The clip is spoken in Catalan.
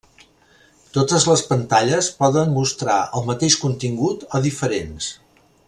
Totes les pantalles poden mostrar el mateix contingut o diferents.